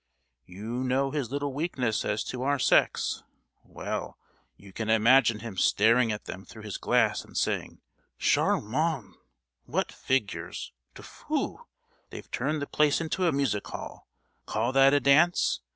You know his little weakness as to our sex,—well, you can imagine him staring at them through his glass and saying, 'Charmant!—What figures!' Tfu! They've turned the place into a music hall! Call that a dance!